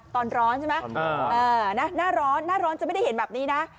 ตอนร้อนใช่ไหมหน้าร้อนหน้าร้อนจะไม่ได้เห็นแบบนี้นะ